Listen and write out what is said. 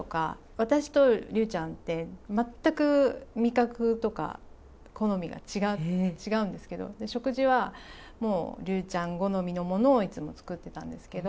私と竜ちゃんって、全く味覚とか好みが違うんですけど、食事はもう竜ちゃん好みのものを作ってたんですけど。